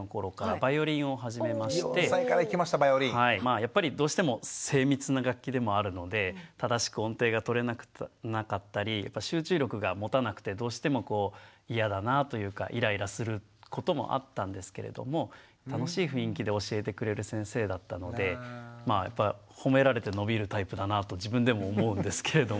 やっぱりどうしても精密な楽器でもあるので正しく音程がとれなかったり集中力がもたなくてどうしても嫌だなぁというかイライラすることもあったんですけれども楽しい雰囲気で教えてくれる先生だったのでまあやっぱ褒められて伸びるタイプだなと自分でも思うんですけれども。